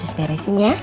harus beresin ya